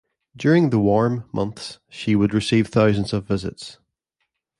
During the warm months she would receive thousands of visits.